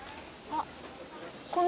あっ。